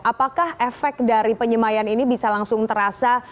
apakah efek dari penyemayan ini bisa langsung terasa